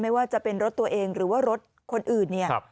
ไม่ว่าจะเป็นรถตัวเองหรือว่ารถคนอื่นเนี่ย